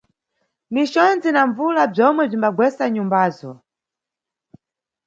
Ni condzi na mbvula bzomwe bzagwesa nyumbazo.